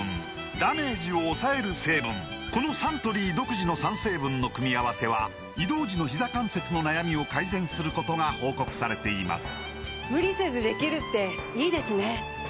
このサントリー独自の３成分の組み合わせは移動時のひざ関節の悩みを改善することが報告されています